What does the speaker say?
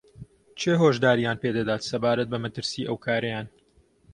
کێ هۆشدارییان پێدەدات سەبارەت بە مەترسیی ئەو کارەیان